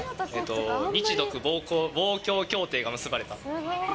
日独防共協定が結ばれた。